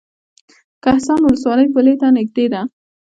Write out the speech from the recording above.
کهسان ولسوالۍ پولې ته نږدې ده؟